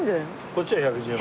こっちは１１０万。